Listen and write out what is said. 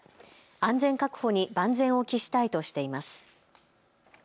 安全確保に万全を期したいとしています。